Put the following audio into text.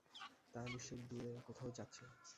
তারা নিশ্চয়ই দূরে কোথাও যাচ্ছে।